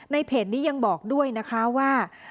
ในเพจนี้ยังบอกด้วยว่า